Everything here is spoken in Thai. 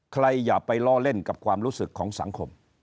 อย่าไปล้อเล่นกับความรู้สึกของสังคม